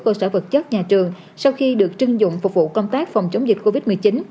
cơ sở vật chất nhà trường sau khi được trưng dụng phục vụ công tác phòng chống dịch covid một mươi chín